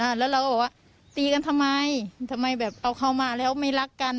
แล้วเราก็บอกว่าตีกันทำไมทำไมแบบเอาเขามาแล้วไม่รักกัน